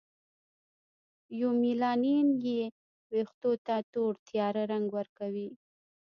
یومیلانین چې ویښتو ته تور تیاره رنګ ورکوي.